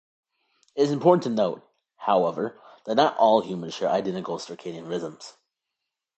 It is important to note, however, that not all humans share identical circadian rhythms.